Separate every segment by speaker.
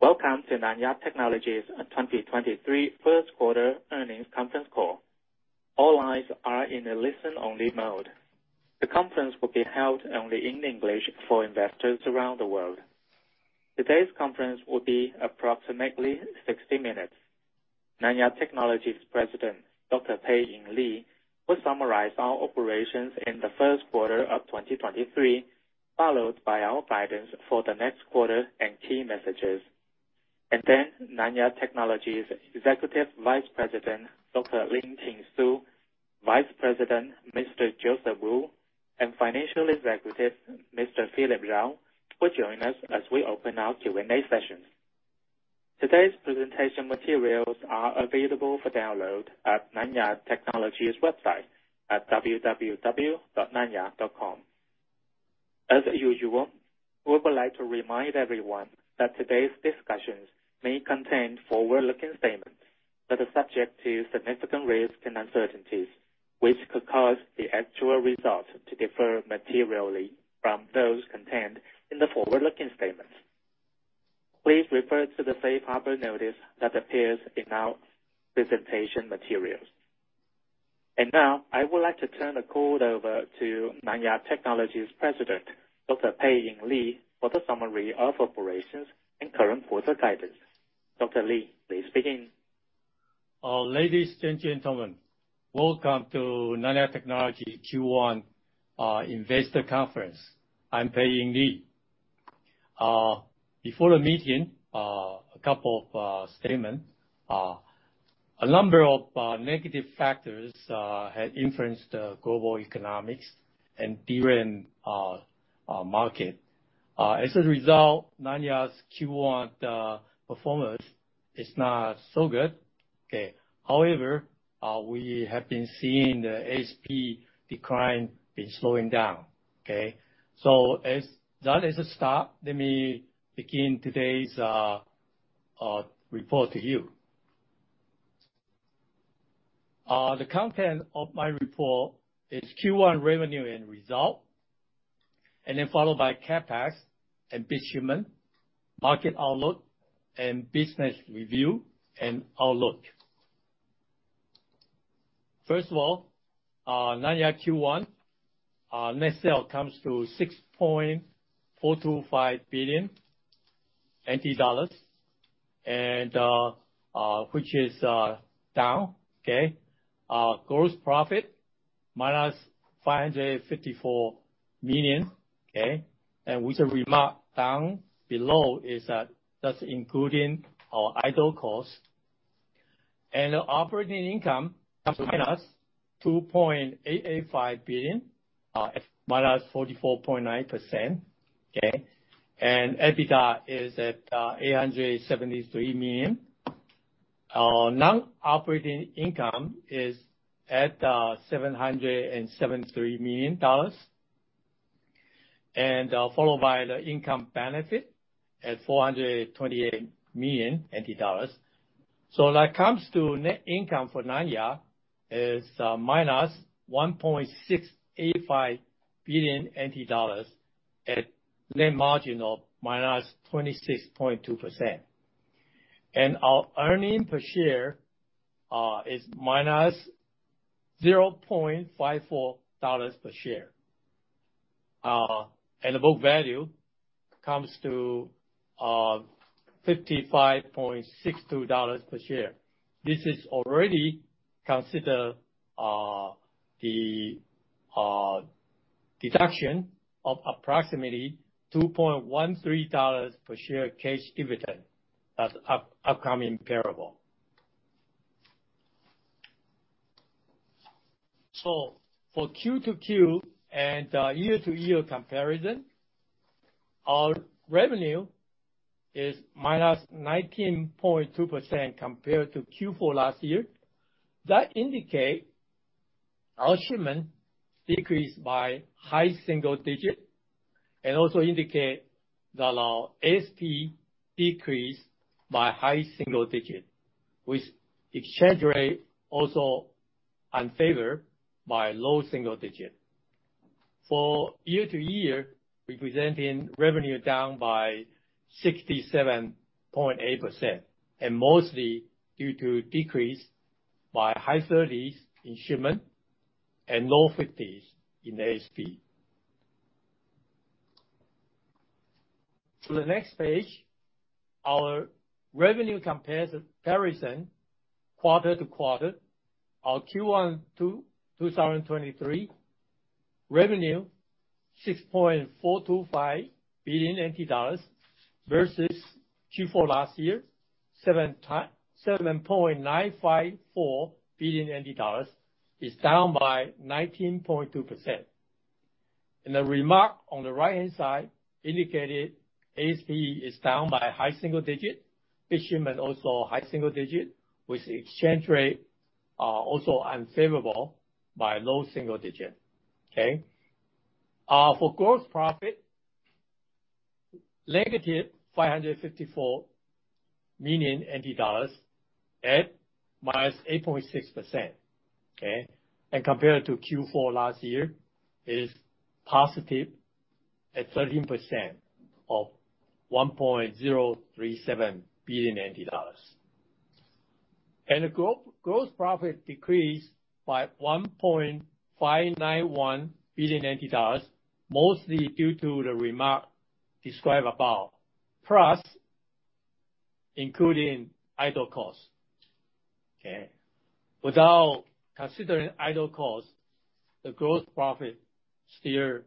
Speaker 1: Welcome to Nanya Technology's 2023 first quarter earnings conference call. All lines are in a listen-only mode. The conference will be held only in English for investors around the world. Today's conference will be approximately 60 minutes. Nanya Technology's President, Dr. Pei-Ing Lee, will summarize our operations in the first quarter of 2023, followed by our guidance for the next quarter and key messages. Nanya Technology's Executive Vice President, Dr. Lin-Chin Su, Vice President, Mr. Joseph Wu, and Financial Executive, Mr. Philip Jao, will join us as we open our Q&A session. Today's presentation materials are available for download at Nanya Technology's website at www.nanya.com. As usual, we would like to remind everyone that today's discussions may contain forward-looking statements that are subject to significant risks and uncertainties, which could cause the actual results to differ materially from those contained in the forward-looking statements. Please refer to the safe harbor notice that appears in our presentation materials. Now, I would like to turn the call over to Nanya Technology's President, Dr. Pei-Ing Lee, for the summary of operations and current quarter guidance. Dr. Lee, please begin.
Speaker 2: Ladies and gentlemen, welcome to Nanya Technology Q1 Investor Conference. I'm Pei-Ing Lee. Before the meeting, a couple of statement. A number of negative factors had influenced the global economics and DRAM market. As a result, Nanya's Q1 performance is not so good. Okay. However, we have been seeing the ASP decline been slowing down. Okay? As that is a start, let me begin today's report to you. The content of my report is Q1 revenue and result, and then followed by CapEx and bit shipment, market outlook, and business review and outlook. First of all, Nanya Q1 net sale comes to NTD 6.425 billion, and which is down, okay? Gross profit, -NTD 554 million, okay? With a remark down below is, that's including our idle cost. Operating income comes to NTD -2.885 billion, -44.9%, okay? EBITDA is at NTD 873 million. Non-operating income is at NTD 773 million, and followed by the income benefit at NTD 428 million. When it comes to net income for Nanya, is NTD -1.685 billion at net margin of -26.2%. Our earnings per share is NTD -0.54 per share. The book value comes to NTD 55.62 per share. This is already consider the deduction of approximately NTD 2.13 per share cash dividend upcoming payable. For Q-to-Q and year-to-year comparison, our revenue is minus 19.2% compared to Q4 last year. That indicate our shipment decreased by high single digit, and also indicate that our ASP decreased by high single digit, with exchange rate also unfavor by low single digit. For year-to-year, representing revenue down by 67.8%, and mostly due to decrease by high 30s in shipment and low 50s in ASP. To the next page, our revenue comparison quarter-to-quarter, our Q1 2023 revenue NTD 6.425 billion versus Q4 last year, NTD 7.954 billion, is down by 19.2%. In the remark on the right-hand side indicated ASP is down by high single digit, bit shipment also high single digit, with exchange rate also unfavorable by low single digit, okay? For gross profit, negative NTD 554 million at -8.6%. Okay? Compared to Q4 last year, it is positive at 13% of NTD 1.037 billion. The gross profit decreased by NTD 1.591 billion, mostly due to the remark described above, plus including idle cost. Okay? Without considering idle cost, the gross profit still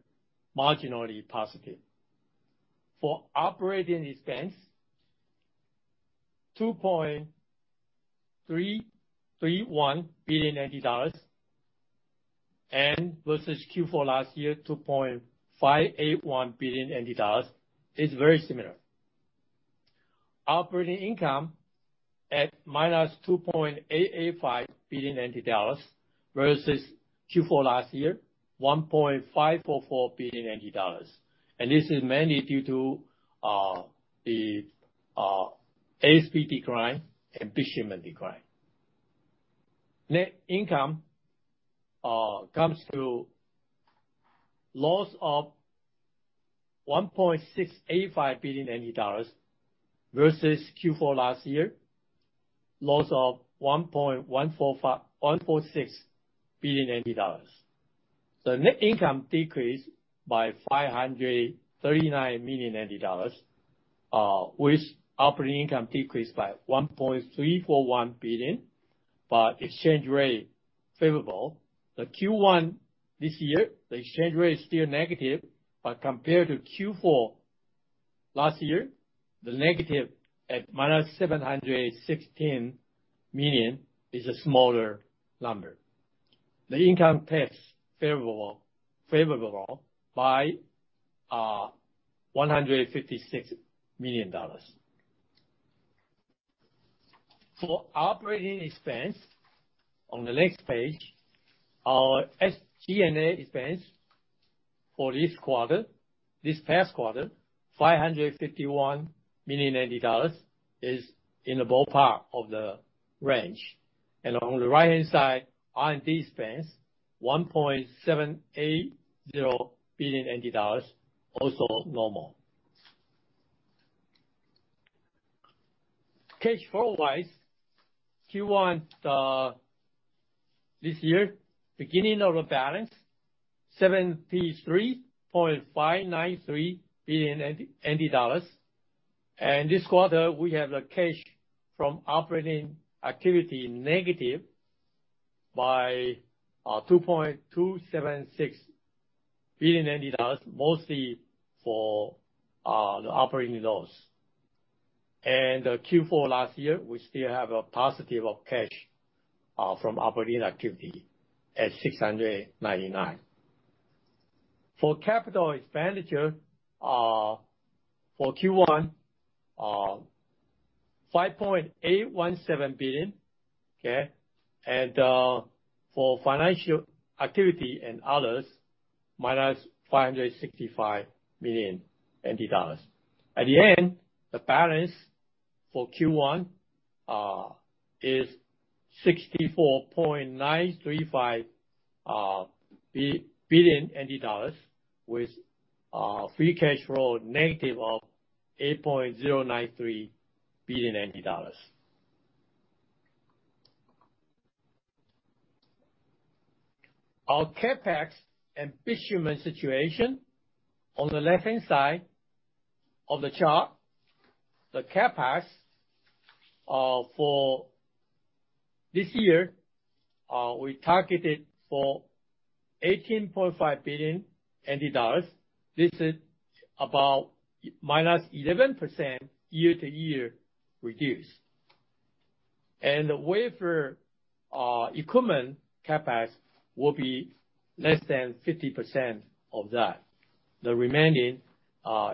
Speaker 2: marginally positive. For operating expense, NTD 2.331 billion versus Q4 last year, NTD 2.581 billion. It's very similar. Operating income at -NT dollars 2.885 billion, versus Q4 last year, NT dollars 1.544 billion. This is mainly due to the ASP decline and bit shipment decline. Net income comes to loss of NT dollars 1.685 billion, versus Q4 last year, loss of NT dollars 1.146 billion. The net income decreased by NT dollars 539 million, with operating income decreased by NT dollars 1.341 billion, exchange rate favorable. The Q1 this year, the exchange rate is still negative, compared to Q4 last year, the negative at -NT dollars 716 million is a smaller number. The income tax favorable by NT dollars 156 million. For operating expense, on the next page, our SG&A expense for this quarter, this past quarter, NT dollars 551 million is in the ballpark of the range. On the right-hand side, R&D expense, NT dollars 1.780 billion, also normal. Cash flow-wise, Q1 this year, beginning of the balance, NT dollars 73.593 billion. This quarter, we have the cash from operating activity negative by NT dollars 2.276 billion, mostly for the operating loss. Q4 last year, we still have a positive of cash from operating activity at NT dollars 699 million. For capital expenditure for Q1, NT dollars 5.817 billion, okay? For financial activity and others, minus NT dollars 565 million. At the end, the balance for Q1 is NT$ 64.935 billion with free cash flow negative of NT$ 8.093 billion. Our CapEx and bit shipment situation, on the left-hand side of the chart, the CapEx for this year, we targeted for NT$ 18.5 billion. This is about -11% year-over-year reduce. The wafer equipment CapEx will be less than 50% of that. The remaining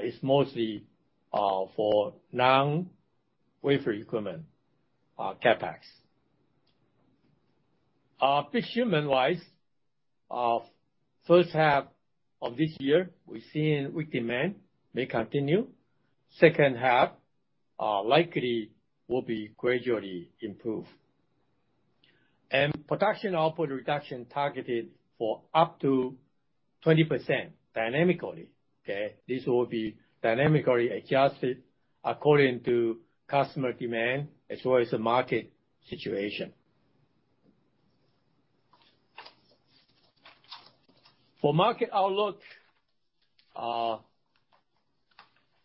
Speaker 2: is mostly for non-wafer equipment CapEx. Bit shipment-wise, first half of this year, we're seeing weak demand may continue. Second half likely will be gradually improved. Production output reduction targeted for up to 20% dynamically. Okay? This will be dynamically adjusted according to customer demand as well as the market situation. For market outlook,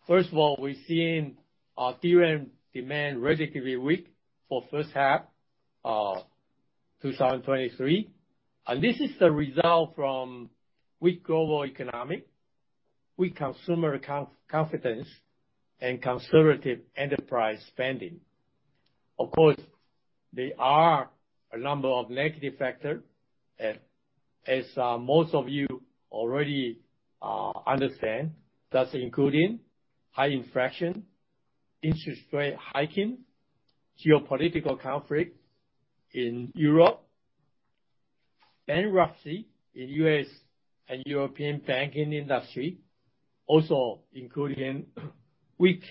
Speaker 2: first of all, we're seeing DRAM demand relatively weak for first half 2023. This is the result from weak global economic, weak consumer confidence and conservative enterprise spending. Of course, there are a number of negative factor, as most of you already understand. That's including high inflation, interest rate hiking, geopolitical conflict in Europe, bankruptcy in U.S. and European banking industry, also including weak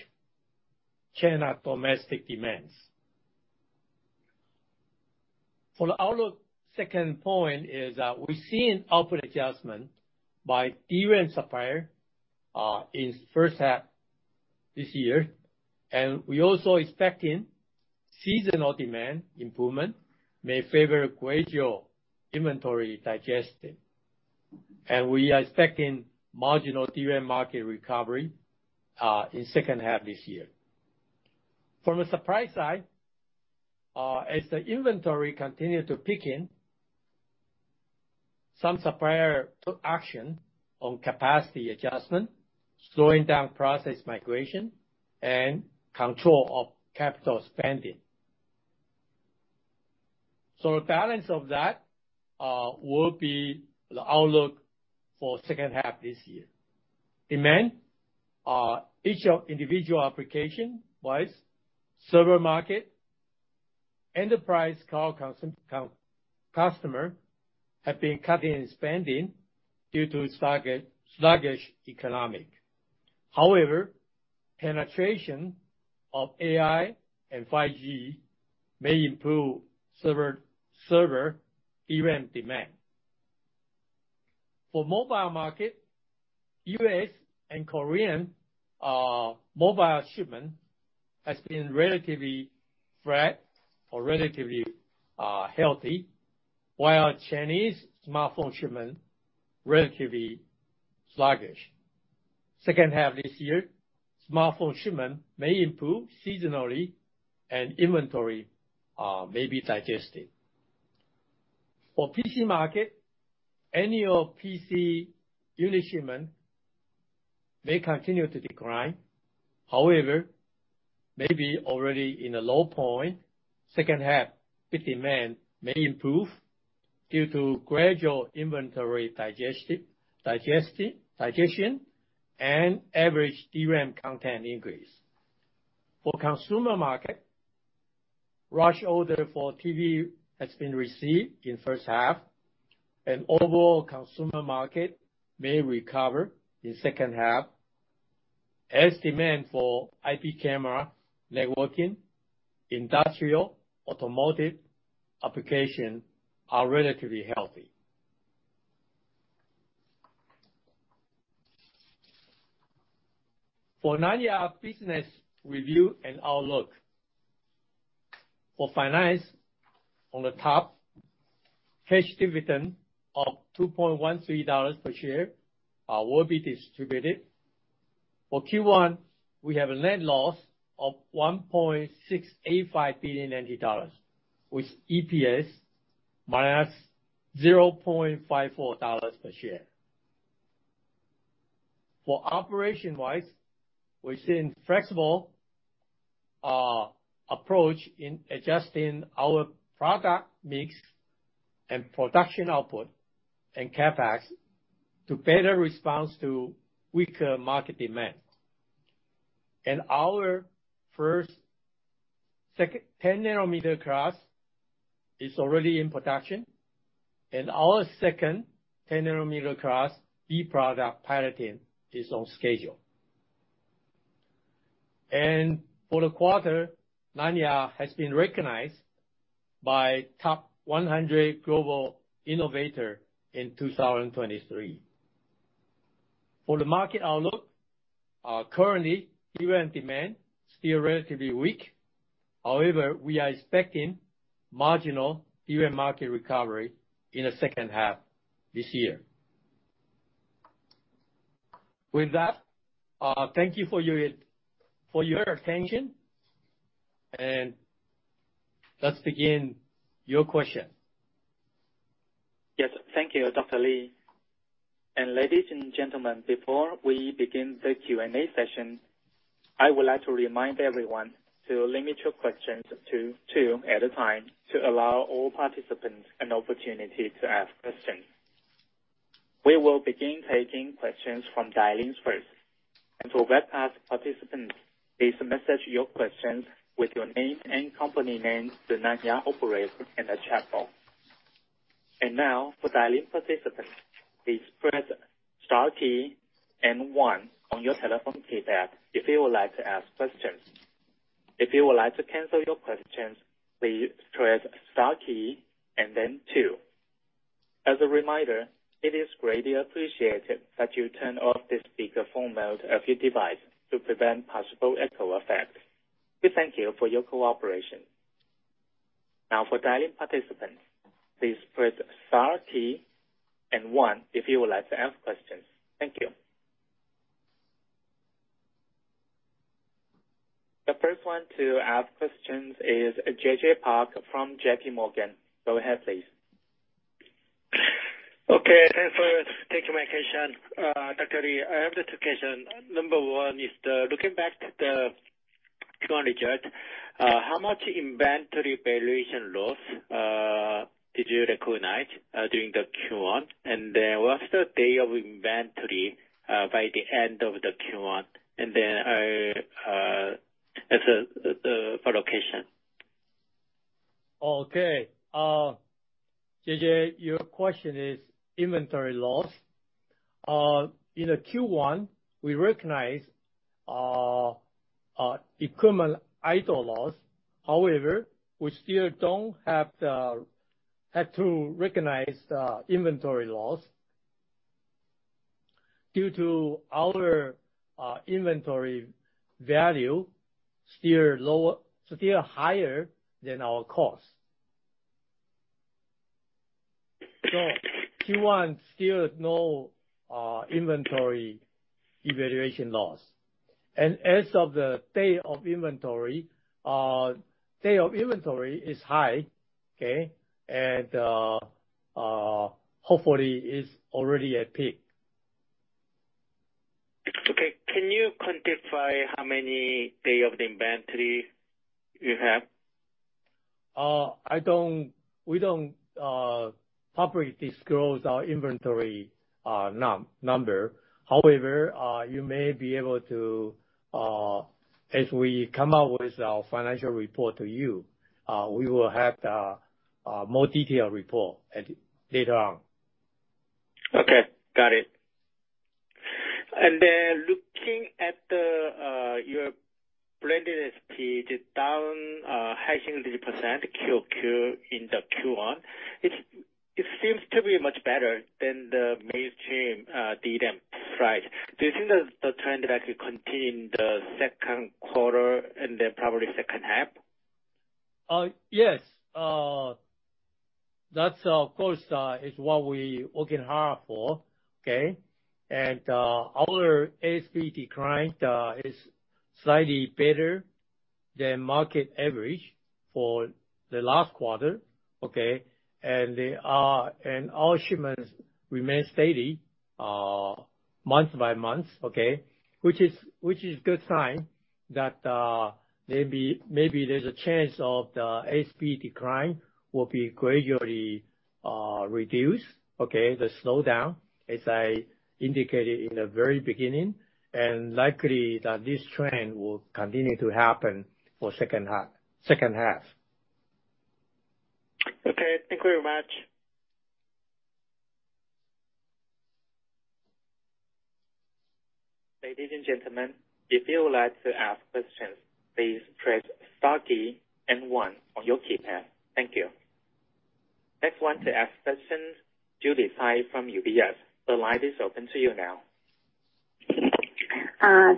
Speaker 2: China domestic demands. For the outlook, second point is, we're seeing output adjustment by DRAM supplier in first half this year. We're also expecting seasonal demand improvement may favor gradual inventory digestion. We are expecting marginal DRAM market recovery in second half this year. From a supply side, as the inventory continued to peak in, some supplier took action on capacity adjustment, slowing down process migration and control of capital spending. The balance of that will be the outlook for second half this year. Demand, each of individual application-wise, server market, enterprise cloud customer have been cutting spending due to sluggish economic. However, penetration of AI and 5G may improve server DRAM demand. For mobile market, U.S. and Korean mobile shipment has been relatively flat or relatively healthy, while Chinese smartphone shipment relatively sluggish. Second half this year, smartphone shipment may improve seasonally and inventory may be digested. For PC market, annual PC unit shipment may continue to decline. However, maybe already in a low point, second half PC demand may improve due to gradual inventory digestion and average DRAM content increase. For consumer market, large order for TV has been received in first half, and overall consumer market may recover in second half as demand for IP camera, networking, industrial, automotive application are relatively healthy. For Nanya business review and outlook. For finance, on the top, cash dividend of NT$2.13 per share will be distributed. For Q1, we have a net loss of NT$1.685 billion, with EPS NT$-0.54 per share. For operation-wise, we're seeing flexible approach in adjusting our product mix and production output and CapEx to better response to weaker market demand. Our first. 10nm-class is already in production, and our second 10nm-class E product piloting is on schedule. For the quarter, Nanya has been recognized by Top 100 Global Innovators in 2023. For the market outlook, currently, DRAM demand is still relatively weak. However, we are expecting marginal DRAM market recovery in the second half this year. With that, thank you for your attention, and let's begin your question.
Speaker 1: Yes. Thank you, Dr. Lee. Ladies and gentlemen, before we begin the Q&A session, I would like to remind everyone to limit your questions to two at a time to allow all participants an opportunity to ask questions. We will begin taking questions from dial-ins first. To webcast participants, please message your questions with your name and company name to Nanya operator in the chat box. Now, for dial-in participants, please press star key and one on your telephone keypad if you would like to ask questions. If you would like to cancel your questions, please press star key and then two. As a reminder, it is greatly appreciated that you turn off the speakerphone mode of your device to prevent possible echo effects. We thank you for your cooperation. Now, for dial-in participants, please press star key and one if you would like to ask questions. Thank you. The first one to ask questions is JJ Park from JPMorgan. Go ahead, please.
Speaker 3: Okay. Thanks for taking my question, Dr. Lee. I have 2 question. Number one, looking back at the Q1 result, how much inventory valuation loss did you recognize during the Q1? What's the day of inventory by the end of the Q1? For location.
Speaker 2: Okay. JJ, your question is inventory loss. In the Q1, we recognize equipment idle loss. However, we still don't have to recognize the inventory loss due to our inventory value still higher than our cost. Q1, still no inventory evaluation loss. As of the day of inventory, day of inventory is high, okay? Hopefully it's already at peak.
Speaker 3: Okay. Can you quantify how many day of the inventory you have?
Speaker 2: We don't publicly disclose our inventory number. You may be able to as we come out with our financial report to you, we will have the more detailed report later on.
Speaker 3: Okay, got it. Looking at the your blended ASP down, high single-digit % QoQ in the Q1, it seems to be much better than the mainstream DDRAM price. Do you think the trend will actually continue in the second quarter and then probably second half?
Speaker 2: Yes. That of course, is what we working hard for, okay. Our ASP decline is slightly better than market average for the last quarter, okay. Our shipments remain steady month-by-month, okay. Which is good sign that maybe there's a chance of the ASP decline will be gradually reduced, okay, the slowdown, as I indicated in the very beginning. Likely that this trend will continue to happen for second half.
Speaker 3: Okay, thank you very much.
Speaker 1: Ladies and gentlemen, if you would like to ask questions, please press star key and one on your keypad. Thank you. Next one to ask questions, Judy Tsai from UBS. The line is open to you now.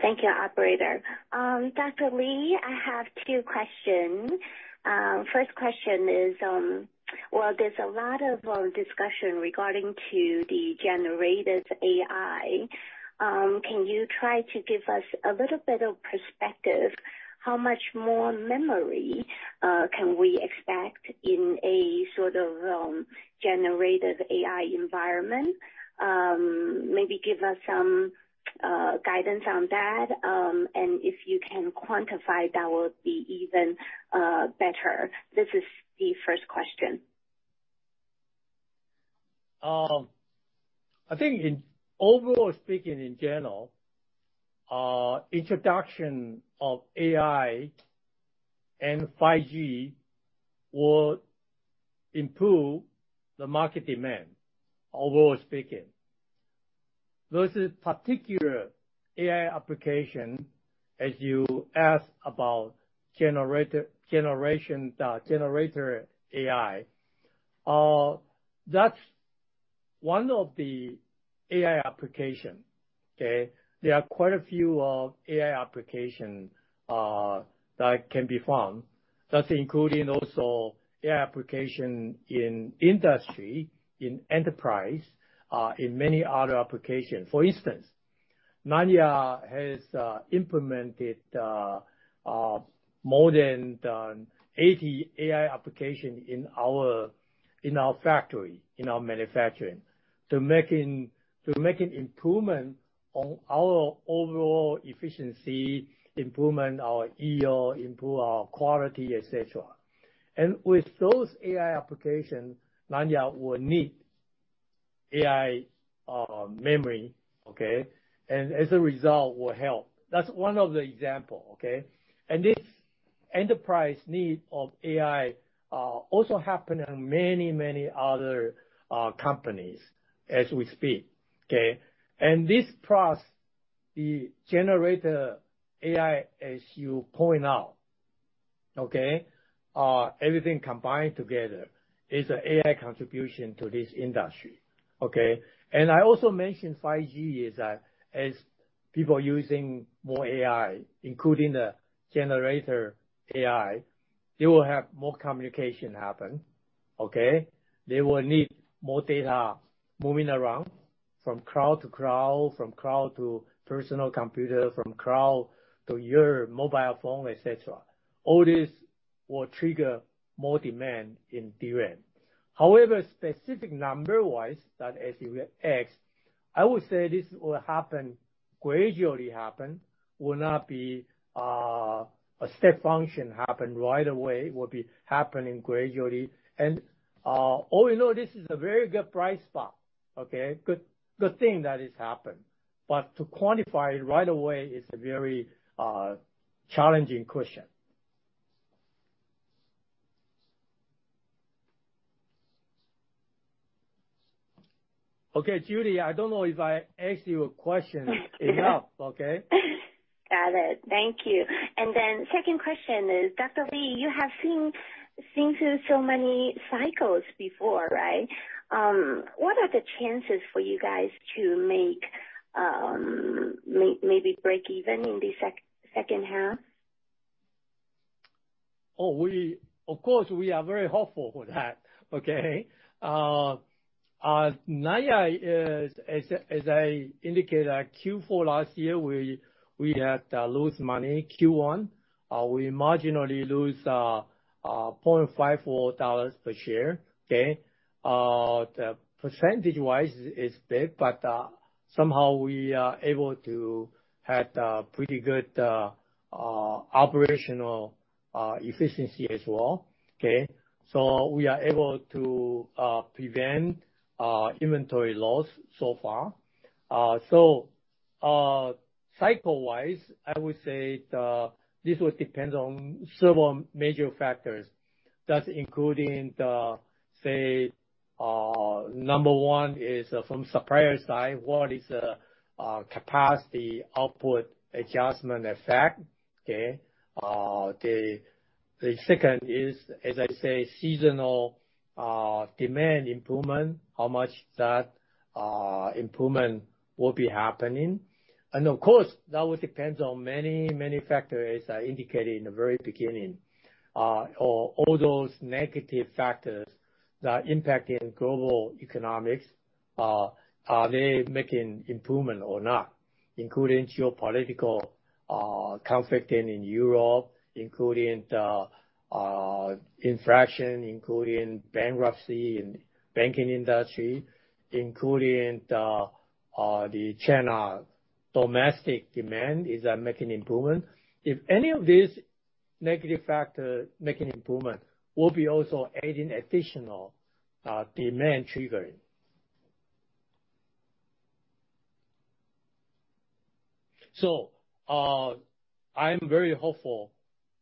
Speaker 4: Thank you, operator. Dr. Lee, I have 2 questions. First question is, well, there's a lot of discussion regarding to the generative AI. Can you try to give us a little bit of perspective, how much more memory can we expect in a sort of generative AI environment? Maybe give us some guidance on that. If you can quantify, that would be even better. This is the 1st question.
Speaker 2: I think in overall speaking in general, introduction of AI and 5G will improve the market demand, overall speaking. Versus particular AI application, as you ask about the generative AI, that's one of the AI application, okay. There are quite a few AI application that can be found. That's including also AI application in industry, in enterprise, in many other applications. For instance, Nanya has implemented more than 80 AI application in our, in our factory, in our manufacturing to making improvement on our overall efficiency, improvement our yield, improve our quality, et cetera. With those AI application, Nanya will need AI memory, okay. As a result will help. That's one of the example, okay. This enterprise need of AI also happen in many, many other companies as we speak, okay? This plus the generative AI, as you point out, okay, everything combined together is an AI contribution to this industry, okay? I also mentioned 5G is as people using more AI, including the generative AI, they will have more communication happen, okay? They will need more data moving around from cloud to cloud, from cloud to personal computer, from cloud to your mobile phone, et cetera. All this will trigger more demand in DRAM. However, specific number-wise that as you have asked, I would say this will happen, gradually happen, will not be a step function happen right away. Will be happening gradually. All in all, this is a very good bright spot, okay? Good thing that has happened. To quantify it right away is a very challenging question. Okay, Judy, I don't know if I asked you a question enough. Okay?
Speaker 4: Got it. Thank you. Second question is, Dr. Lee, you have seen through so many cycles before, right? What are the chances for you guys to make maybe break even in the second half?
Speaker 2: Of course, we are very hopeful for that. Okay? Nanya is, as I indicated at Q4 last year, we had lose money Q1. We marginally lose NTD 0.54 per share. Okay? The percentage-wise is big, but somehow we are able to have the pretty good operational efficiency as well. Okay? We are able to prevent inventory loss so far. Cycle-wise, I would say this would depend on several major factors. That's including, say, number one is from supplier side, what is the capacity output adjustment effect? Okay? The second is, as I say, seasonal demand improvement, how much that improvement will be happening. Of course, that would depends on many, many factors, as I indicated in the very beginning. All those negative factors that are impacting global economics, are they making improvement or not? Including geopolitical conflict in Europe, including the inflation, including bankruptcy in banking industry, including the China domestic demand, is that making improvement? If any of these negative factor make an improvement, we'll be also adding additional demand triggering. I'm very hopeful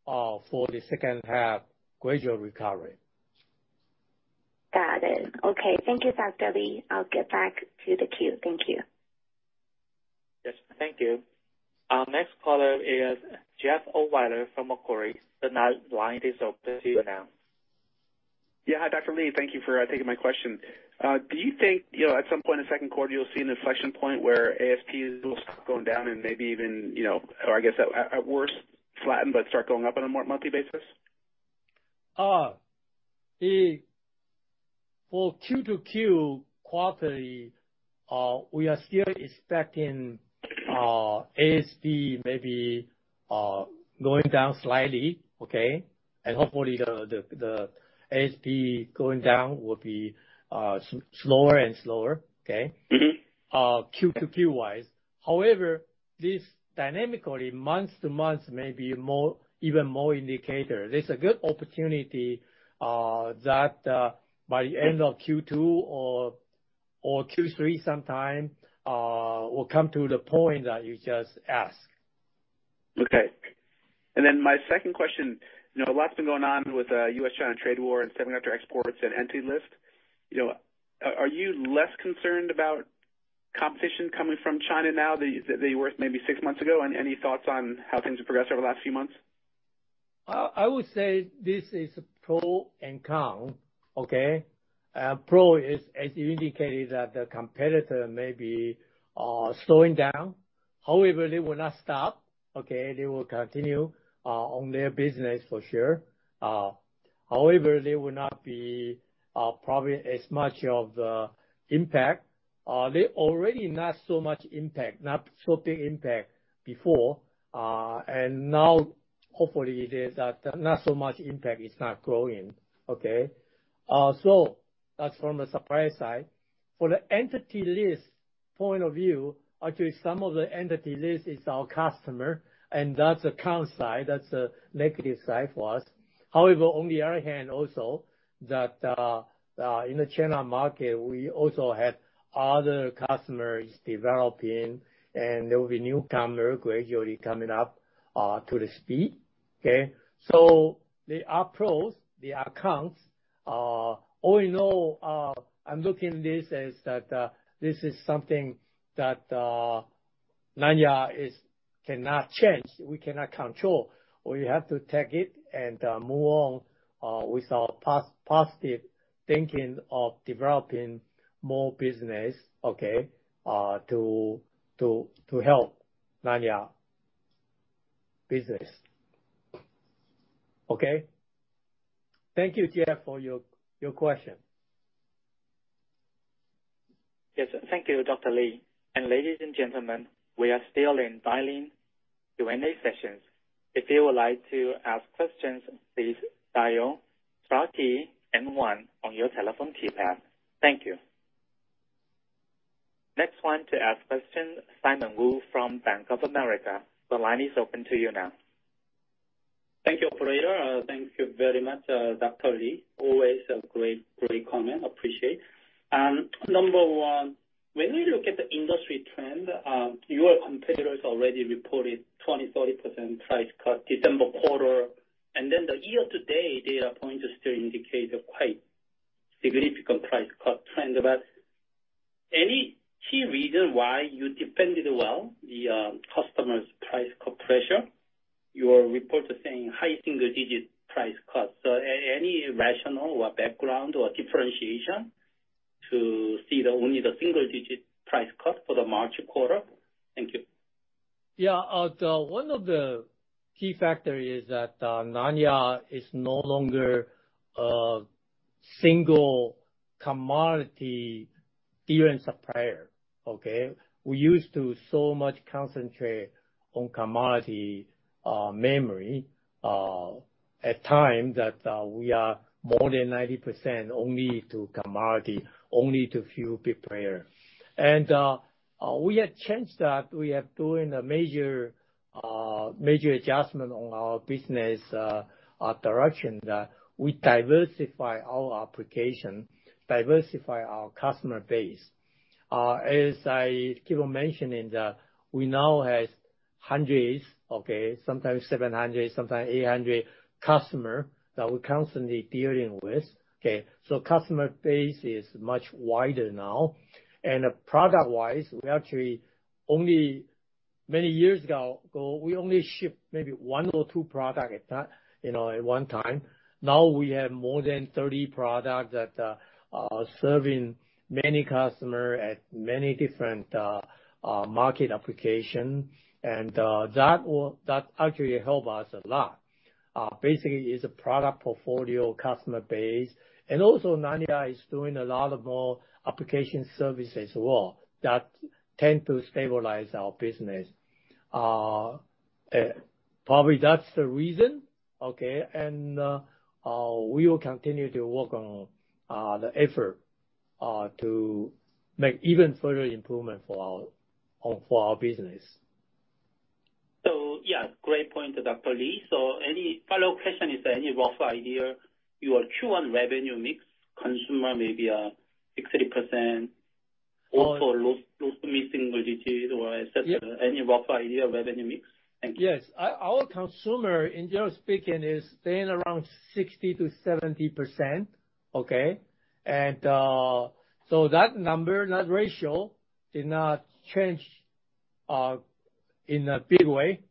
Speaker 2: for the second half gradual recovery.
Speaker 4: Got it. Okay. Thank you, Dr. Lee. I'll get back to the queue. Thank you.
Speaker 1: Yes. Thank you. Our next caller is Jeff Owyler from Macquarie. The line is open to you now.
Speaker 5: Yeah. Hi, Dr. Lee. Thank you for taking my question. Do you think at some point in second quarter you'll see an inflection point where ASP will stop going down and maybe even or I guess at worst, flatten but start going up on a more monthly basis?
Speaker 2: For Q-to-Q quarterly, we are still expecting ASP maybe going down slightly, okay? Hopefully the ASP going down will be slower and slower, okay? Q-to-Q wise. However, this dynamically, month-over-month, may be more, even more indicator. There's a good opportunity that by the end of Q2 or Q3 sometime, we'll come to the point that you just asked.
Speaker 5: Okay. My second question a lot's been going on with U.S.-China trade war and semiconductor exports and Entity List. You know, are you less concerned about competition coming from China now than you were maybe six months ago? Any thoughts on how things have progressed over the last few months?
Speaker 2: I would say this is pro and con. Okay? Pro is, as you indicated, that the competitor may be slowing down. However, they will not stop. Okay? They will continue on their business for sure. However, they will not be probably as much of the impact. They already not so much impact, not so big impact before. Now, hopefully it is that not so much impact, it's not growing. Okay? That's from the supplier side. For the Entity List point of view, actually some of the Entity List is our customer, and that's a con side. That's a negative side for us. However, on the other hand also that, in the China market, we also have other customers developing, and there will be newcomer gradually coming up to the speed. Okay? There are pros, there are cons. All in all, I'm looking this as that, this is something that Nanya is cannot change. We cannot control. We have to take it and move on with our positive thinking of developing more business, okay? To help Nanya business. Okay? Thank you, Jeff, for your question.
Speaker 1: Yes. Thank you, Dr. Lee. Ladies and gentlemen, we are still in dialing Q&A sessions. If you would like to ask questions, please dial star key and one on your telephone keypad. Thank you. Next one to ask question, Simon Wu from Bank of America. The line is open to you now.
Speaker 6: Thank you, operator. Thank you very much, Dr. Li. Always a great comment. Appreciate. Number one, when we look at the industry trend, your competitors already reported 20%, 30% price cut December quarter. The year-to-date data point just to indicate a quite significant price cut trend. Any key reason why you defended well the customers' price cut pressure? Your report is saying high single-digit price cuts. Any rationale or background or differentiation to see the, only the single-digit price cut for the March quarter? Thank you.
Speaker 2: Yeah. One of the key factor is that Nanya is no longer a single commodity deal and supplier, okay? We used to so much concentrate on commodity memory at time that we are more than 90% only to commodity, only to few prepare. We had changed that. We are doing a major adjustment on our business direction that we diversify our application, diversify our customer base. As I keep on mentioning that we now have hundreds, okay, sometimes 700, sometimes 800 customer that we're constantly dealing with, okay? Customer base is much wider now. Product wise, we actually many years ago, we only ship maybe 1 or 2 product at that at one time. Now we have more than 30 products that are serving many customer at many different market application. That actually help us a lot. Basically, it's a product portfolio customer base. Also, Nanya is doing a lot of more application service as well that tend to stabilize our business. Probably that's the reason, okay? We will continue to work on the effort to make even further improvement for our for our business.
Speaker 6: Yeah, great point, Dr. Lee. Any follow-up question, is there any rough idea your Q1 revenue mix consumer maybe 60% or for low mid-single digits or et cetera?
Speaker 2: Yep.
Speaker 6: Any rough idea of revenue mix? Thank you.
Speaker 2: Yes. Our consumer, in general speaking, is staying around 60% to 70%, okay. That number, that ratio did not change in a big way,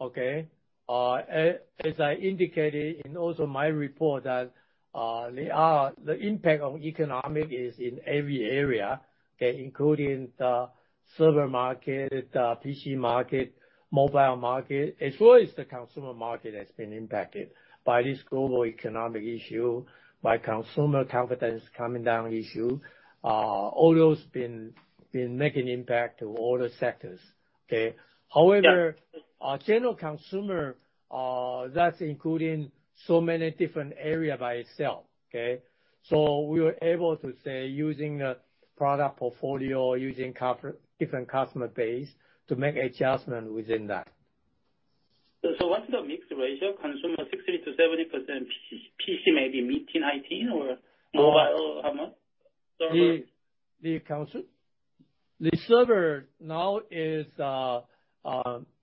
Speaker 2: okay. As I indicated in also my report that the impact on economic is in every area, okay, including the server market, the PC market, mobile market, as well as the consumer market has been impacted by this global economic issue, by consumer confidence coming down issue. All those been making impact to all the sectors, okay.
Speaker 6: Yeah.
Speaker 2: our general consumer, that's including so many different area by itself, okay? we were able to using a product portfolio, using different customer base to make adjustment within that.
Speaker 6: What's the mixed ratio? Consumer 60%-70%. PC maybe mid-teen IT or mobile, how much? Server?
Speaker 2: The consumer. The server now is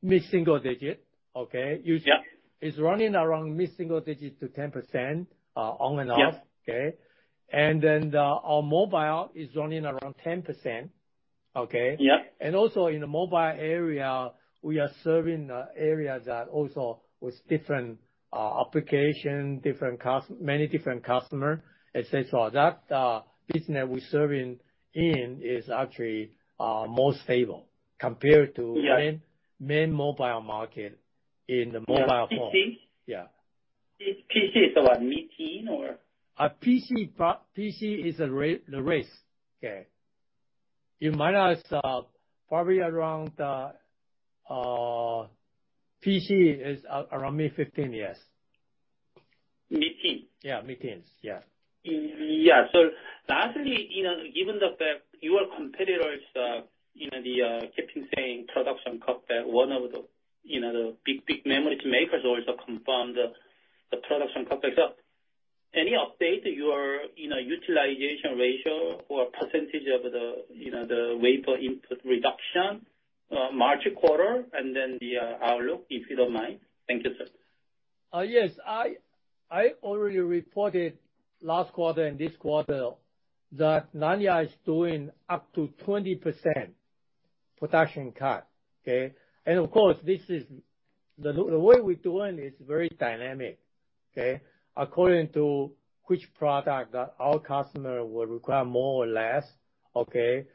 Speaker 2: mid-single digit, okay?
Speaker 6: Yep.
Speaker 2: It's running around mid-single digit to 10%, on and off.
Speaker 6: Yes.
Speaker 2: Okay? Then our mobile is running around 10%, okay?
Speaker 6: Yep.
Speaker 2: Also in the mobile area, we are serving areas that also with different, application, many different customer, et cetera. Business we're serving in is actually, more stable compared to-
Speaker 6: Yeah.
Speaker 2: main mobile market in the mobile phone.
Speaker 6: Yeah. PC?
Speaker 2: Yeah.
Speaker 6: PC is about mid-teen or?
Speaker 2: PC is a race. Okay. You might ask, probably around, PC is around mid-15, yes.
Speaker 6: Mid-teen?
Speaker 2: Yeah, mid-teens. Yeah.
Speaker 6: Yeah. lastly given the fact your competitors they, keeping saying production cutback, one of the the big memory makers also confirmed the production cutback. Any update your utilization ratio or percentage of the the wafer input reduction, March quarter and then the outlook, if you don't mind? Thank you, sir.
Speaker 2: Yes. I already reported last quarter and this quarter that Nanya is doing up to 20% production cut. Okay? Of course, this is. The way we're doing is very dynamic, okay? According to which product that our customer will require more or less, okay?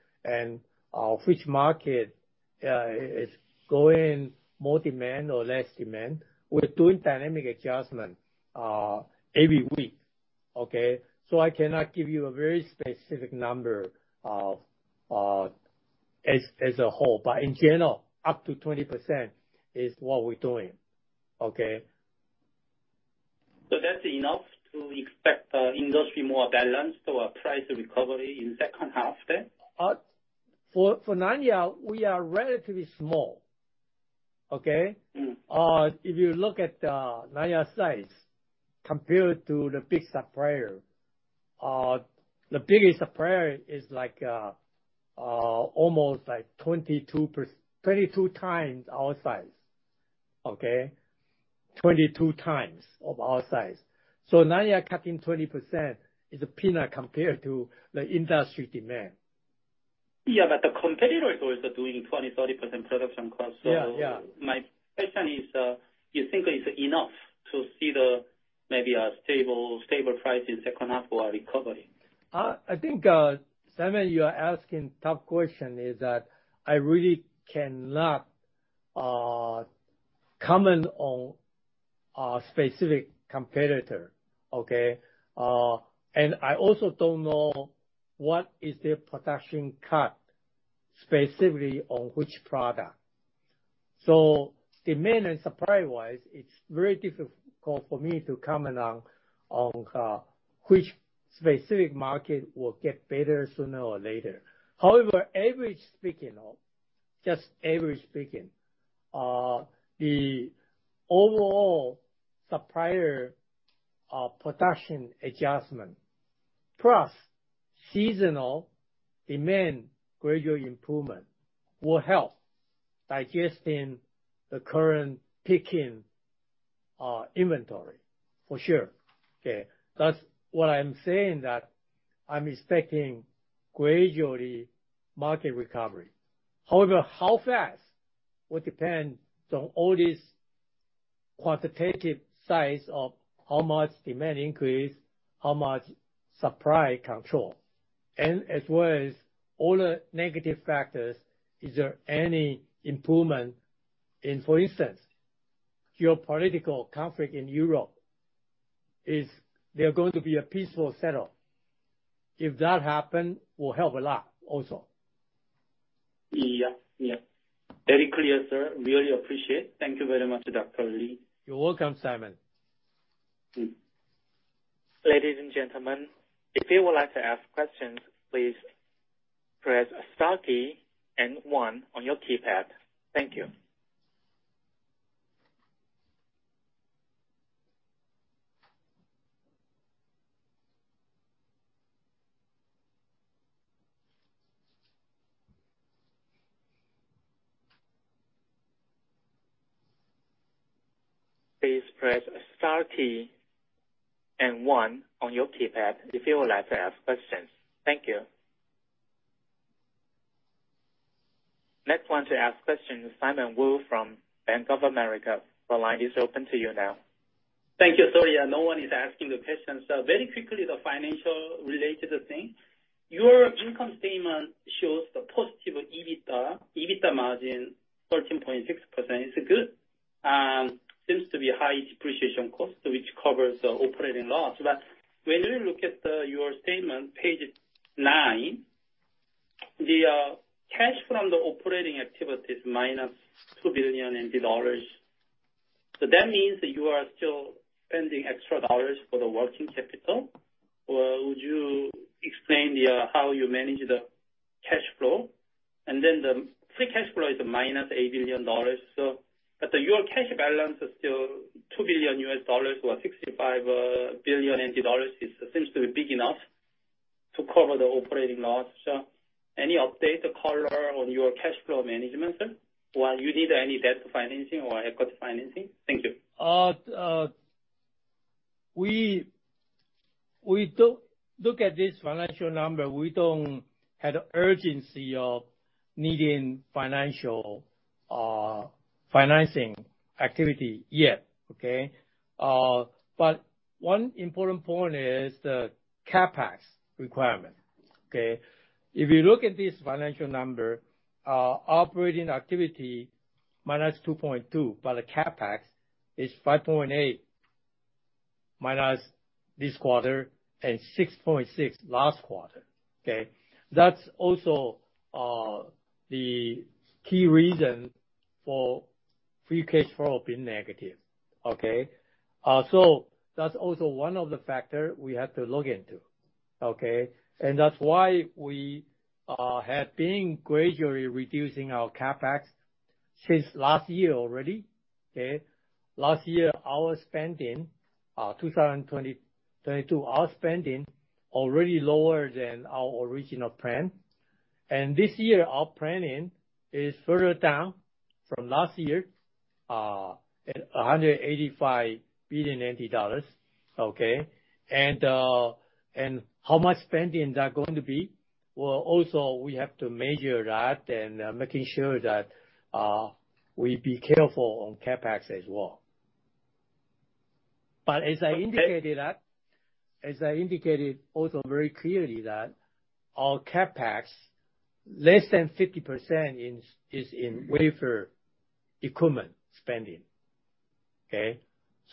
Speaker 2: Which market is going more demand or less demand. We're doing dynamic adjustment every week, okay. I cannot give you a very specific number of as a whole. In general, up to 20% is what we're doing. Okay.
Speaker 6: That's enough to expect industry more balanced or a price recovery in second half then?
Speaker 2: For Nanya, we are relatively small. Okay? If you look at Nanya's size compared to the big supplier, the biggest supplier is like almost 22 times our size. Okay? 22 times of our size. Nanya cutting 20% is a peanut compared to the industry demand.
Speaker 6: Yeah, the competitors also doing 20%, 30% production cuts.
Speaker 2: Yeah, yeah.
Speaker 6: My question is, you think it's enough to see the maybe a stable price in second half or a recovery?
Speaker 2: I think Simon, you are asking tough question, is that I really cannot comment on a specific competitor, okay? I also don't know what is their production cut, specifically on which product. Demand and supply-wise, it's very difficult for me to comment on which specific market will get better sooner or later. Average speaking, just average speaking, the overall supplier production adjustment, plus seasonal demand gradual improvement, will help digesting the current peak in inventory, for sure. Okay? That's what I'm saying that I'm expecting gradually market recovery. How fast will depend on all these quantitative sides of how much demand increase, how much supply control. As well as all the negative factors, is there any improvement in, for instance, geopolitical conflict in Europe, is there going to be a peaceful settle? If that happen, will help a lot also.
Speaker 6: Yeah. Yeah. Very clear, sir. Really appreciate. Thank you very much, Dr. Lee.
Speaker 2: You're welcome, Simon.
Speaker 1: Ladies and gentlemen, if you would like to ask questions, please press star key and one on your keypad. Thank you. Please press star key and one on your keypad if you would like to ask questions. Thank you. Next one to ask question is Simon Wu from Bank of America. The line is open to you now.
Speaker 6: Thank you. Sorry, yeah, no one is asking the question. Very quickly, the financial-related thing. Your income statement shows the positive EBITDA margin 13.6%. It's good, and seems to be high depreciation cost, which covers the operating loss. When you look at your statement, page 9, the cash from the operating activity is -NT$2 billion. That means that you are still spending extra NT dollars for the working capital. Well, would you explain, yeah, how you manage the cash flow? The free cash flow is -NT$8 billion. Your cash balance is still $2 billion or NT$65 billion. It's seems to be big enough to cover the operating loss. Any update color on your cash flow management, sir? You need any debt financing or equity financing? Thank you.
Speaker 2: We don't look at this financial number, we don't have the urgency of needing financial financing activity yet, okay. One important point is the CapEx requirement, okay. If you look at this financial number, operating activity -NTD 2.2 billion, but the CapEx is NTD 5.8 billion minus this quarter and NTD 6.6 billion last quarter, okay. That's also the key reason for free cash flow being negative, okay. That's also one of the factor we have to look into, okay. That's why we have been gradually reducing our CapEx since last year already, okay. Last year, our spending, 2022, our spending already lower than our original plan. This year, our planning is further down from last year, at NTD 185 billion, okay. How much spending that going to be, well, also we have to measure that and making sure that, we be careful on CapEx as well. As I indicated, as I indicated also very clearly that our CapEx, less than 50% is in wafer equipment spending, okay?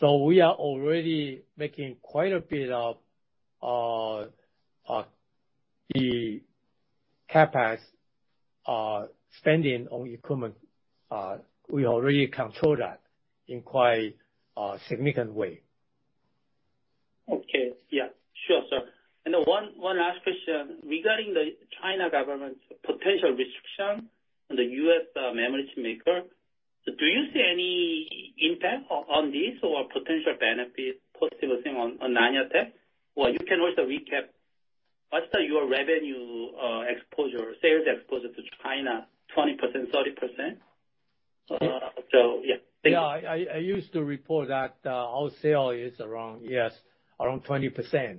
Speaker 2: We are already making quite a bit of CapEx spending on equipment, we already control that in quite a significant way.
Speaker 6: Okay. Yeah, sure, sir. One last question. Regarding the China government's potential restriction on the U.S. memories maker, do you see any impact on this or potential benefit possible thing on Nanya Technology? You can also recap what's your revenue sales exposure to China, 20%, 30%? Yeah.
Speaker 2: Yeah. I used to report that our sale is around, yes, around 20%.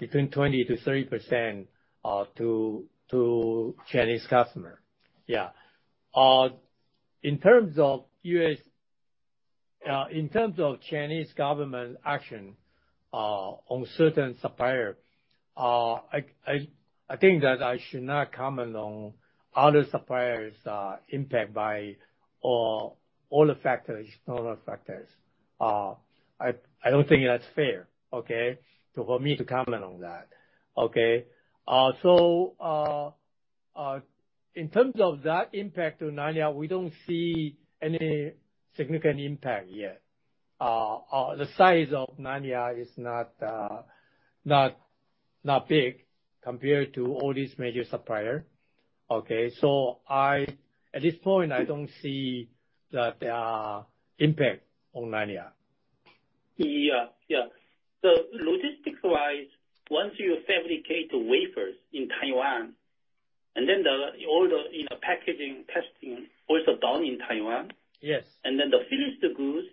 Speaker 2: Between 20%-30% to Chinese customer. Yeah. In terms of Chinese government action on certain supplier, I think that I should not comment on other suppliers impact by all the factors, external factors. I don't think that's fair, okay, for me to comment on that, okay? In terms of that impact to Nanya, we don't see any significant impact yet. The size of Nanya is not big compared to all these major supplier, okay? At this point, I don't see that there are impact on Nanya.
Speaker 6: Yeah. Yeah. logistics-wise, once you fabricate the wafers in Taiwan, all the packaging, testing also done in Taiwan.
Speaker 2: Yes.
Speaker 6: The finished know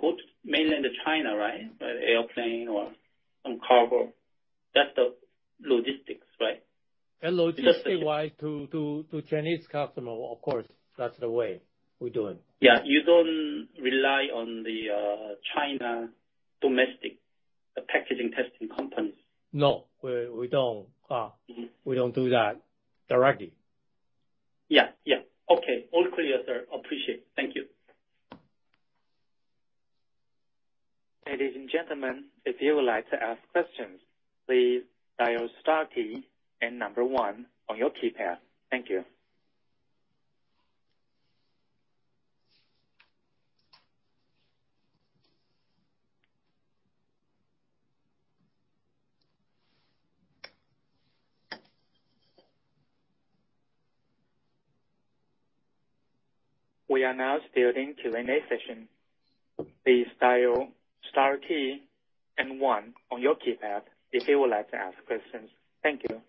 Speaker 6: go to Mainland China, right? By airplane or on cargo. That's the logistics, right?
Speaker 2: Logistically-wise, to Chinese customer, of course, that's the way we do it.
Speaker 6: Yeah. You don't rely on the China domestic packaging testing companies?
Speaker 2: No. We don't. We don't do that directly.
Speaker 6: Yeah. Yeah. Okay. All clear, sir. Appreciate it. Thank you.
Speaker 1: Ladies and gentlemen, if you would like to ask questions, please dial star key and 1 on your keypad. Thank you. We are now starting Q&A session. Please dial star key and 1 on your keypad if you would like to ask questions. Thank you.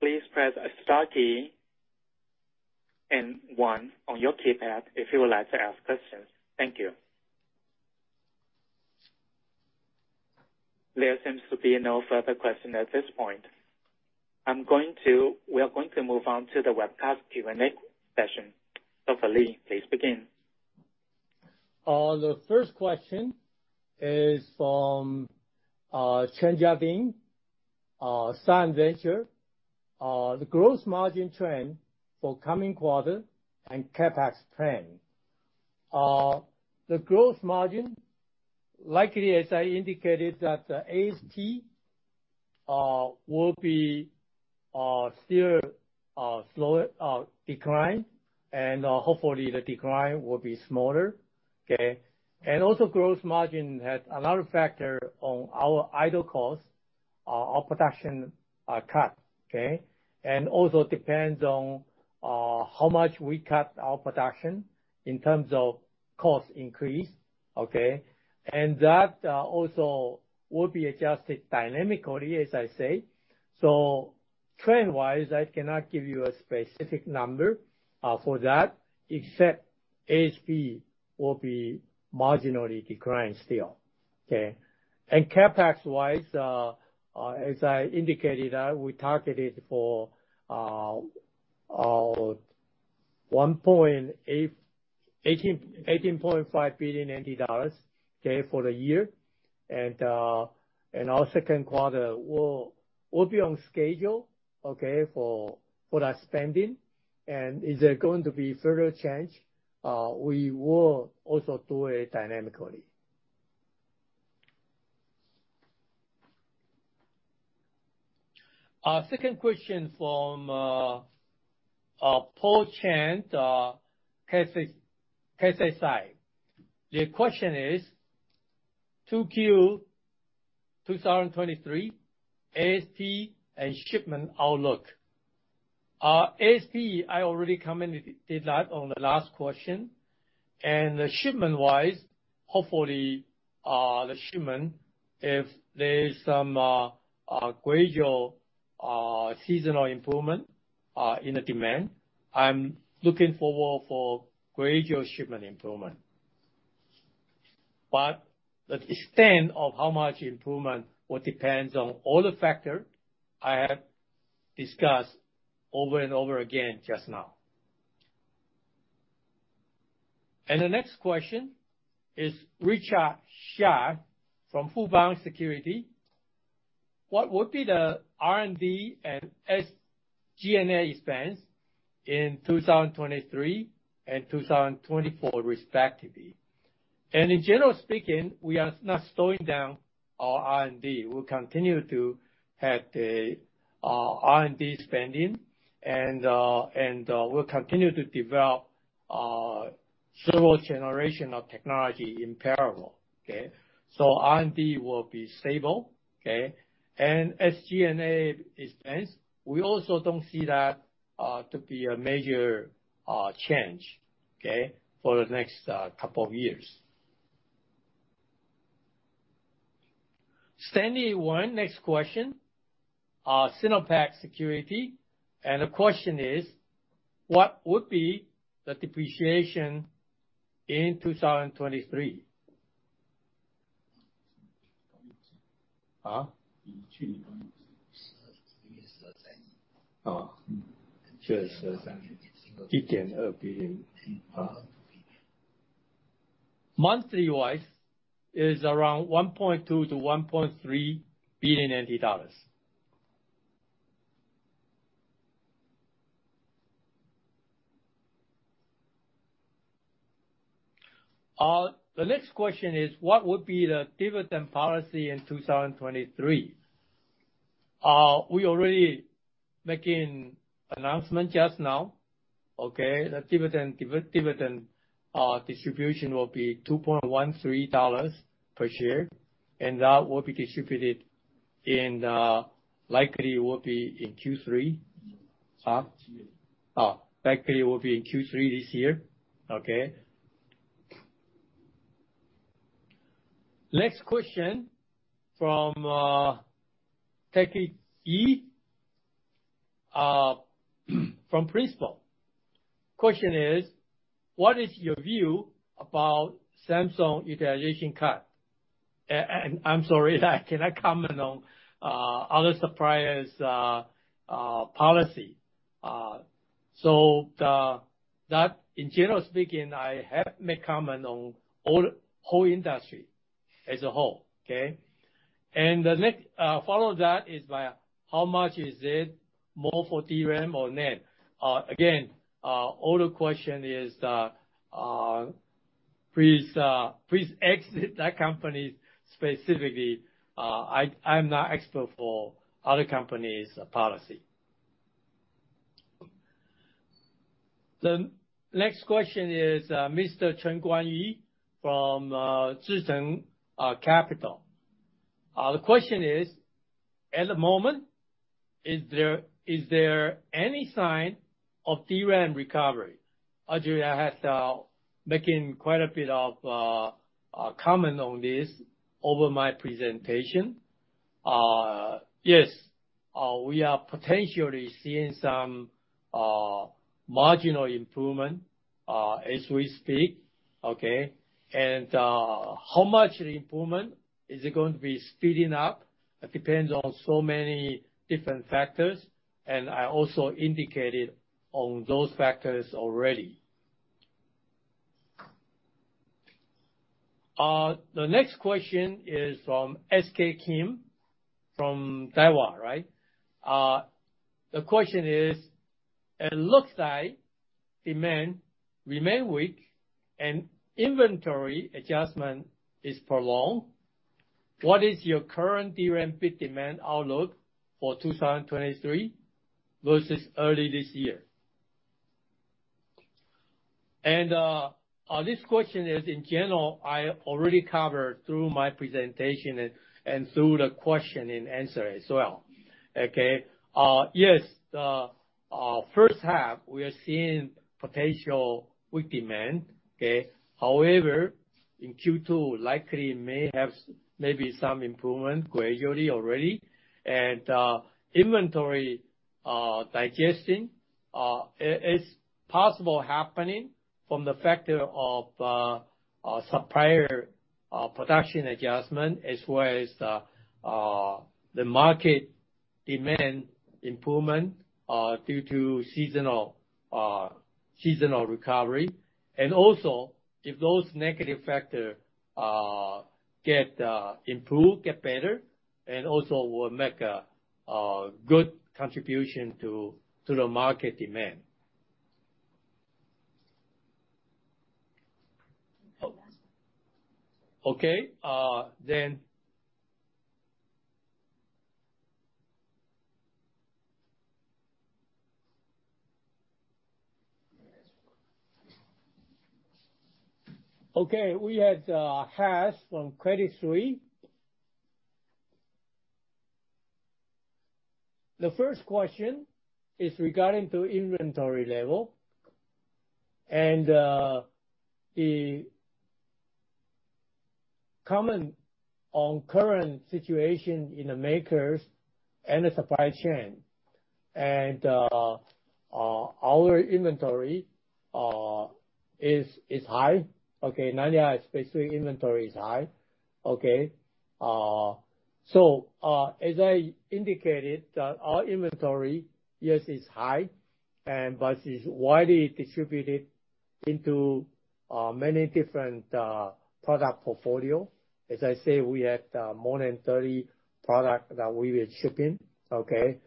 Speaker 1: Please press star key and 1 on your keypad if you would like to ask questions. Thank you. There seems to be no further question at this point. We are going to move on to the webcast Q&A session. Dr. Lee, please begin.
Speaker 2: The first question is from Chen Jiabin, SinoVenture. The growth margin trend for coming quarter and CapEx trend. The growth margin, likely, as I indicated, that the ASP will be still decline and hopefully the decline will be smaller. Okay? Also growth margin has a lot of factor on our idle cost, our production cut, okay? Also depends on how much we cut our production in terms of cost increase, okay? That also will be adjusted dynamically, as I say. Trend-wise, I cannot give you a specific number for that, except ASP will be marginally declining still, okay? CapEx-wise, as I indicated, we targeted for 18.5 billion NT dollars, okay, for the year. Our second quarter will be on schedule, okay, for our spending. Is there going to be further change? We will also do it dynamically. Our second question from Paul Chan KSI. The question is 2Q 2023 ASP and shipment outlook. ASP, I already commented that on the last question. Shipment-wise, hopefully, the shipment, if there is some gradual seasonal improvement in the demand, I'm looking forward for gradual shipment improvement. The extent of how much improvement will depends on all the factor I have discussed over and over again just now. The next question is Richard Hsia from Fubon Securities. What would be the R&D and SG&A expense in 2023 and 2024 respectively? In general speaking, we are not slowing down our R&D. We'll continue to have the R&D spending, and we'll continue to develop several generation of technology in parallel. Okay? R&D will be stable, okay? SG&A expense, we also don't see that to be a major change, okay, for the next couple of years. Stanley Wang, next question, SinoPac Securities, the question is, "What would be the depreciation in 2023?" Monthly wise, it is around 1.2 billion-1.3 billion NT dollars. The next question is, what would be the dividend policy in 2023? We already making announcement just now, okay? The dividend distribution will be NTD 2.13 per share, that will be distributed in likely will be in Q3.
Speaker 7: Q3.
Speaker 2: Oh, likely it will be in Q3 this year. Okay. Next question from T.K. Yi from Principal. Question is, what is your view about Samsung utilization cut? I'm sorry, I cannot comment on other suppliers' policy. In general speaking, I have made comment on whole industry as a whole, okay? The next follow that is by how much is it more for DRAM or NAND? Again, all the question is, please exit that company specifically. I'm not expert for other company's policy. The next question is Mr. Chen Kuan-Yi from Zhicheng Capital. The question is, at the moment, is there any sign of DRAM recovery? Actually, I have making quite a bit of comment on this over my presentation. Yes, we are potentially seeing some marginal improvement as we speak. How much improvement is it going to be speeding up, it depends on so many different factors, and I also indicated on those factors already. The next question is from S.K. Kim from Daiwa. The question is, it looks like demand remain weak and inventory adjustment is prolonged. What is your current DRAM bit demand outlook for 2023 versus early this year? This question is in general, I already covered through my presentation and through the question and answer as well. Yes, first half we are seeing potential weak demand. However, in Q2, likely may have maybe some improvement gradually already. Inventory digesting, it is possible happening from the factor of a supplier production adjustment, as well as the market demand improvement due to seasonal recovery. Also, if those negative factor get improved, get better, and also will make a good contribution to the market demand. Okay. We had Hash from Credit Suisse. The first question is regarding to inventory level and the comment on current situation in the makers and the supply chain. Our inventory is high. Okay, Nanya specifically inventory is high. Okay. As I indicated that our inventory, yes, it's high and but it's widely distributed into many different product portfolio. As I say, we have more than 30 product that we are shipping, okay?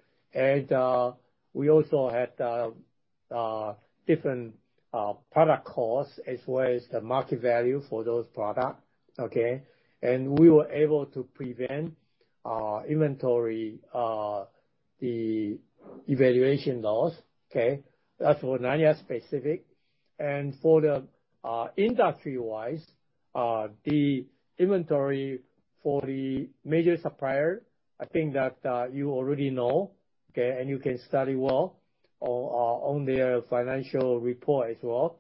Speaker 2: We also have different product costs as well as the market value for those product, okay? We were able to prevent inventory the evaluation loss, okay? That's for Nanya specific. For the industry-wise, the inventory for the major supplier, I think that you already know, okay, and you can study well on their financial report as well.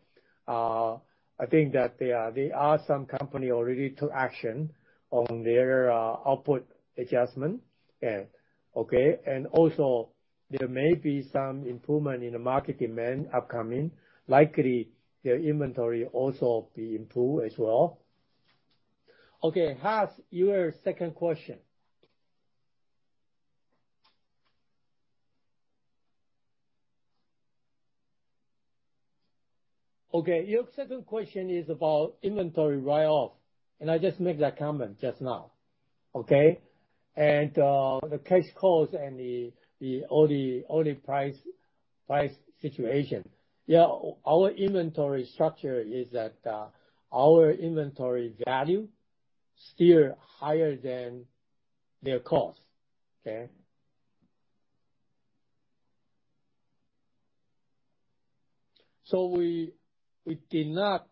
Speaker 2: I think that there are some company already took action on their output adjustment. Yeah, okay? Also there may be some improvement in the market demand upcoming, likely their inventory also be improved as well. Okay, Hash, your second question. Okay, your second question is about inventory write-off, and I just made that comment just now, okay? The case cost and the only price situation. Yeah, our inventory structure is that, our inventory value still higher than their cost. Okay? We did not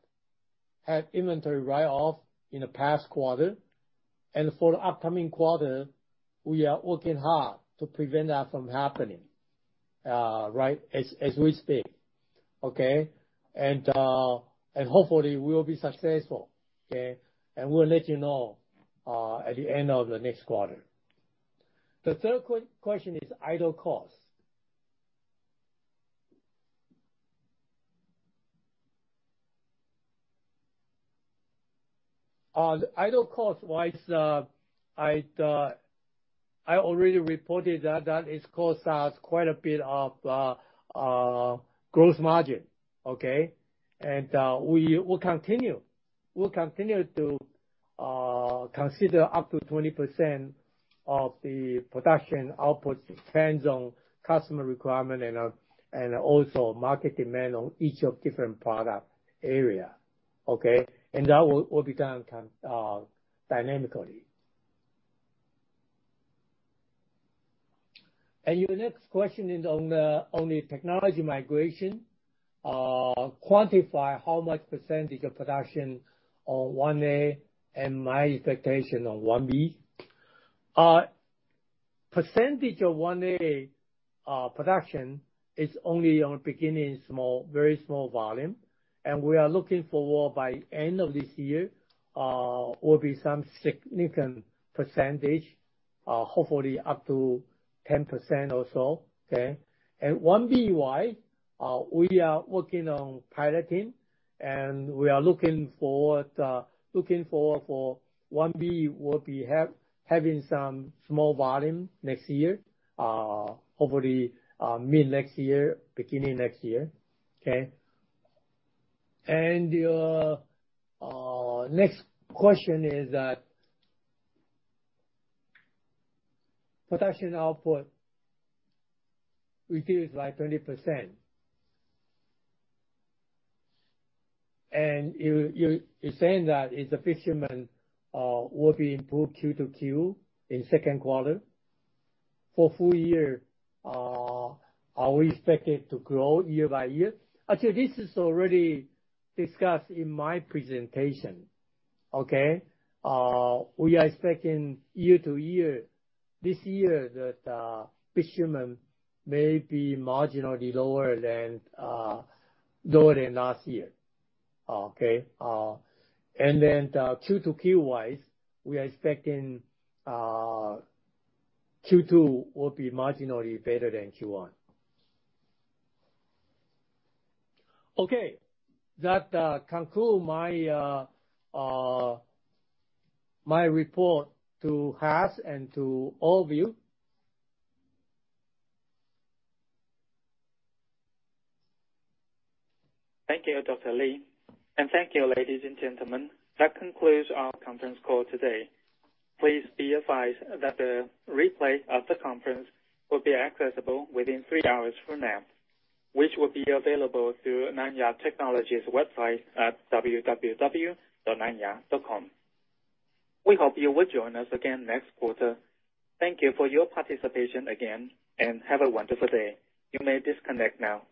Speaker 2: have inventory write-off in the past quarter. For the upcoming quarter, we are working hard to prevent that from happening, right as we speak, okay? Hopefully we will be successful, okay? We'll let you know at the end of the next quarter. The third question is idle cost. On idle cost wise, I already reported that it costs us quite a bit of gross margin, okay? We will continue. We'll continue to consider up to 20% of the production output depends on customer requirement and also market demand on each of different product area, okay? That will be done dynamically. Your next question is on the technology migration, quantify how much percentage of production on 1A and my expectation on 1B. Percentage of 1A production is only on beginning small, very small volume, and we are looking forward by end of this year, will be some significant percentage, hopefully up to 10% or so. Okay? 1B, why? We are working on piloting, and we are looking forward for 1B will be having some small volume next year, hopefully, mid next year, beginning next year. Okay? Your next question is that production output reduced by 20%. You saying that if the fishermen will be improved Q to Q in second quarter for full year, are we expected to grow year-over-year? Actually, this is already discussed in my presentation, okay? We are expecting year-over-year this year that fishermen may be marginally lower than last year. Okay? Q-to-Q wise, we are expecting Q2 will be marginally better than Q1. Okay. That conclude my report to Hash and to all of you.
Speaker 1: Thank you, Dr. Lee, and thank you, ladies and gentlemen. That concludes our conference call today. Please be advised that the replay of the conference will be accessible within three hours from now, which will be available through Nanya Technology's website at www.nanya.com. We hope you will join us again next quarter. Thank you for your participation again, and have a wonderful day. You may disconnect now.